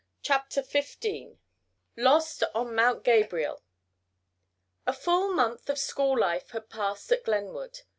CHAPTER XV LOST ON MOUNT GABRIEL A full month of school life had passed at Glenwood.